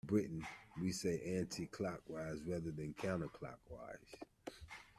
In Britain we say Anti-clockwise rather than Counterclockwise